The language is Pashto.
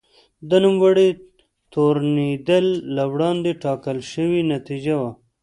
د نوموړي تورنېدل له وړاندې ټاکل شوې نتیجه وه.